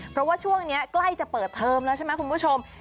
เพราะว่าช่วงนี้ใกล้จะเปิดเทอมแล้วใช่ไหมคุณผู้ชม